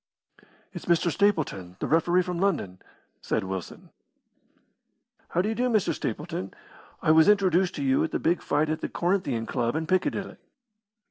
"It's Mr. Stapleton, the referee from London," said Wilson. "How do you do, Mr. Stapleton? I was introduced to you at the big fight at the Corinthian Club in Piccadilly."